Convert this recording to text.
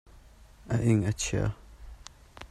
A ing a chia.